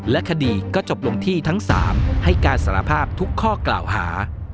และคดีก็จบลงที่ทั้ง๓ให้การสารภาพทุกข้อกล่าวหา